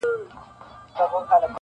راسه ماښامیاره نن یو څه شراب زاړه لرم,